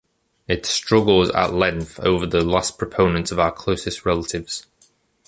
It struggles at length over the last proponents of our closest relatives.